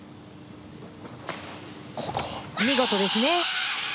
見事ですね。